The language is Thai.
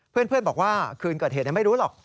เพื่อนบอกว่าคืนเกิดเหตุไม่รู้หรอก